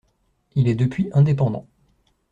Il est depuis indépendant.